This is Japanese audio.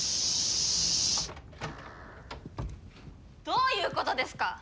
どういうことですか？